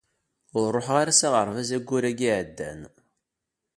Ur ruḥeɣ ara s aɣerbaz ayyur-ayi iɛeddan.